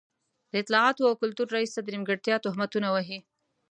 د اطلاعاتو او کلتور رئيس ته د نیمګړتيا تهمتونه وهي.